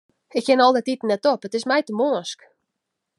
Ik kin al dat iten net op, it is my te mânsk.